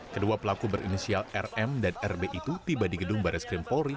kedua pelaku berinisial rm dan rb itu tiba di gedung baris krim polri